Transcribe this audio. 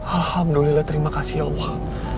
alhamdulillah terima kasih allah